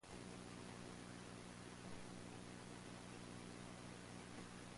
Estrela da Amadora player during a practice match.